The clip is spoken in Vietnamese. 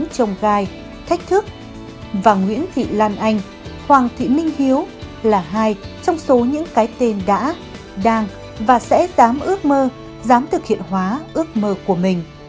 sau này thì còn nghĩ là anh phải giúp đỡ em